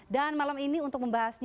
dan malam ini untuk membahas